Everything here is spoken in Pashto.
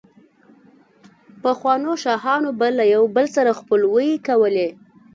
پخوانو شاهانو به له يو بل سره خپلوۍ کولې،